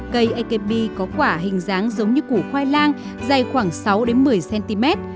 cây akb có quả hình dáng giống như củ khoai lang dày khoảng sáu một mươi cm